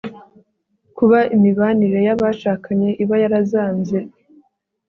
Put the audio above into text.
kuba. imibanire y'abashakanye iba yarazambye